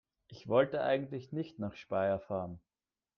Ich wollte eigentlich nicht nach Speyer fahren